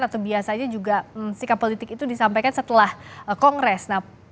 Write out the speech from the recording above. atau biasanya juga sikap politik itu disampaikan setelah kongres